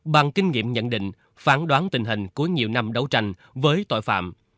bằng kinh nghiệm nhận định phán đoán tình hình cuối nhiều năm đấu tranh với tội phạm